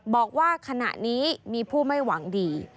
บอกว่าขณะนี้มีผู้ไม่หวังดี